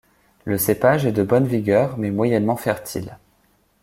Le cépage est de bonne vigueur mais moyennement fertile.